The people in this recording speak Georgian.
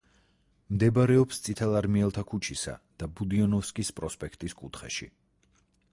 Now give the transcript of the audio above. მდებარეობს წითელარმიელთა ქუჩისა და ბუდიონოვსკის პროსპექტის კუთხეში.